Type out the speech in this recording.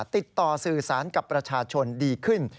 ติดต่อสื่อสารกับประชาชนดีขึ้น